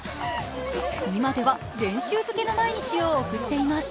今では練習漬けの毎日を送っています。